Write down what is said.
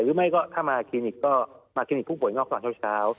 หรือไม่ก็ถ้ามาคลินิกก็มาคลินิกผู้ป่วยงอกตอนเช้า